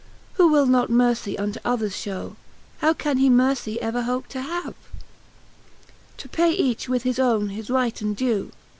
Who will not mercle unto others (hew, How can he mercy ever hope to have? To pay each with his owne is right and dew.